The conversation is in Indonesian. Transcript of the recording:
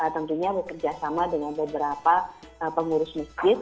tentunya bekerja sama dengan beberapa pengurus masjid